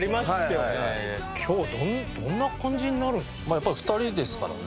やっぱり２人ですからね。